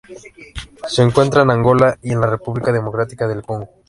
Se encuentra en Angola y en la República Democrática del Congo.